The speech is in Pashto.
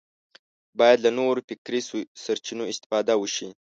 باید له نورو فکري سرچینو استفاده وشي